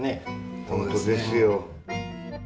本当ですよ。